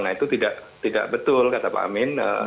nah itu tidak betul kata pak amin